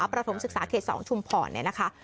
ประถมศึกษาเขต๒ชุมพรเนี่ยนะคะ